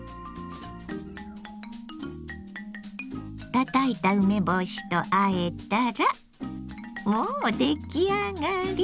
たたいた梅干しとあえたらもう出来上がり。